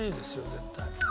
絶対。